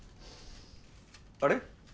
あれ？